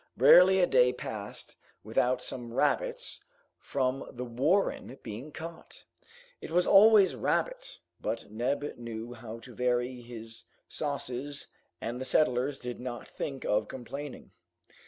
Rarely a day passed without some rabbits from the warren being caught. It was always rabbit, but Neb knew how to vary his sauces and the settlers did not think of complaining.